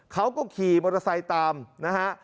เขาก็ขี่มอเตอร์ไซค์ตามนะฮะ